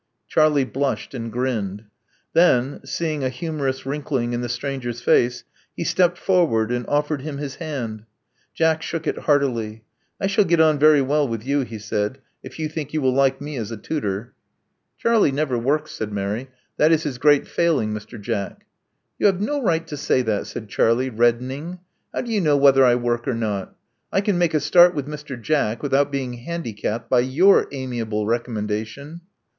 Charlie blushed, and grinned. Then, seeing a humorous wriijkling in the stranger's face, he stepped forwJ|d and offered him his hand. Jack shook it hf^artily. I shall get on very well with you," he s^id, if you think you will like me as a tutor." '* Love Among the Artists 21 «</ 'Charlie never works," said Mary: "that is his great failing, Mr. Jack." '*You have no right to say that," said Charlie, reddening. *'How do you know whether I work or not? I can make a start with Mr. Jack without being handicapped by your amiable recommendation."